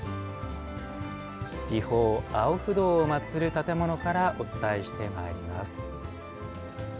寺宝・青不動を祭る建物からお伝えしてまいります。